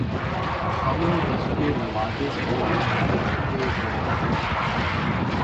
خمِ دستِ نوازش ہو گیا ہے طوق گردن میں